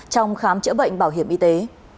trong khám chữa bệnh bảo hiểm y tế